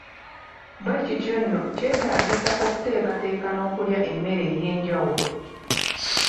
Bwe kityo nno kyetaagisa okuteekateeka n’okulya emmere ey’enjawulo.